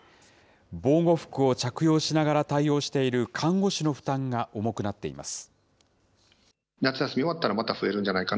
防護服を着用しながら対応している看護師の負担が重くなっています。